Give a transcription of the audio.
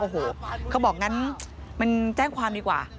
โอ้โหเขาบอกงั้นมันแจ้งความดีกว่า